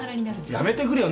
やめてくれよ。